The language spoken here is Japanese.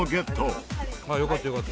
伊達：よかったよかった。